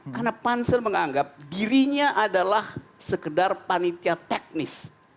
karena pansel menganggap dirinya adalah sekedar panitia teknis